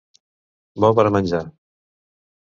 Bo per a menjar.